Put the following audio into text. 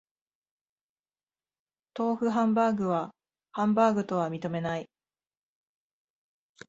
豆腐ハンバーグはハンバーグとは認めない